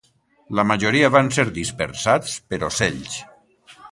La majoria van ser dispersats pels ocells.